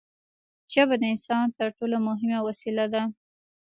ژبه د انسان تر ټولو مهمه وسیله ده.